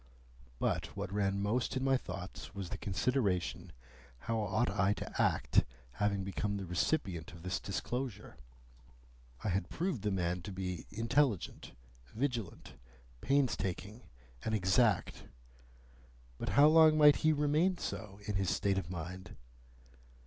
But what ran most in my thoughts was the consideration how ought I to act, having become the recipient of this disclosure? I had proved the man to be intelligent, vigilant, painstaking, and exact; but how long might he remain so, in his state of mind?